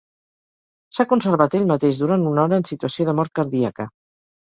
S'ha conservat ell mateix durant una hora en situació de mort cardíaca.